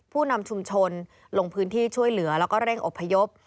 ผู้นำชุมชนลงพื้นที่ช่วยเหลือแล้วก็เร่งอบพยพ